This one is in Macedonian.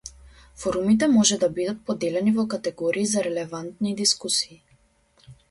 Форумите може да бидат поделени во категории за релевантни дискусии.